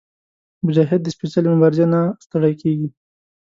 مجاهد د سپېڅلې مبارزې نه ستړی کېږي.